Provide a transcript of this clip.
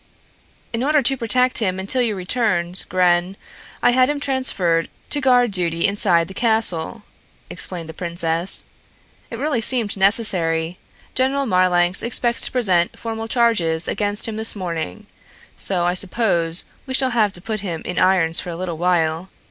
"In order to protect him until you returned, Gren, I had him transferred to guard duty inside the castle," explained the princess. "It really seemed necessary. General Marlanx expects to present formal charges against him this morning, so I suppose we shall have to put him in irons for a little while.